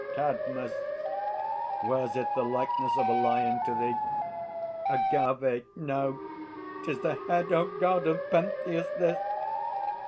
CADMUS. Wears it the likeness of a lion to thee? AGAVE. No; 'tis the head O God! of Pentheus, this!